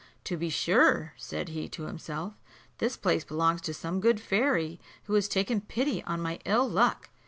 "To be sure," said he to himself, "this place belongs to some good fairy, who has taken pity on my ill luck."